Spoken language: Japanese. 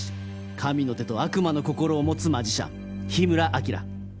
神の手と悪魔の心を持つマジシャン緋邑晶。